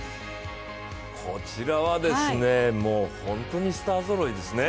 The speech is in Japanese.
こちらは本当にスターぞろいですね。